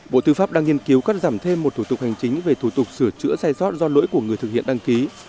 bộ tư pháp đang nghiên cứu cắt giảm thêm một thủ tục hành chính về thủ tục sửa chữa sai sót do lỗi của người thực hiện đăng ký